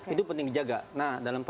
itu penting dijaga nah dalam